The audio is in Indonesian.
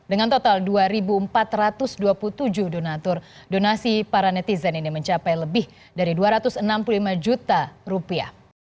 dengan total dua empat ratus dua puluh tujuh donatur donasi para netizen ini mencapai lebih dari dua ratus enam puluh lima juta rupiah